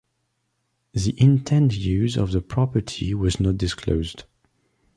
The intend use of the property was not disclosed.